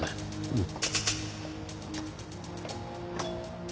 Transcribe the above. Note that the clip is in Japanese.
うん。